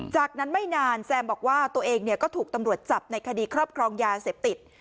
จากนั้นไม่นานแซมบอกว่าตัวเองก็ถูกตำรวจจับในคดีครอบครองยาเสพติด